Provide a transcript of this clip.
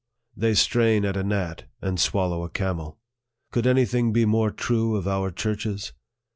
They strain at a gnat, and swallow a camel. Could any thing be more true of our churches